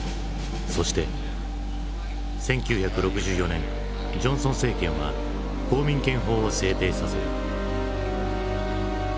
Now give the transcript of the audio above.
１９６４年ジョンソン政権は公民権法を制定させる。